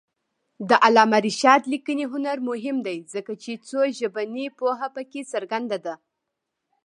د علامه رشاد لیکنی هنر مهم دی ځکه چې څوژبني پوهه پکې څرګنده ده.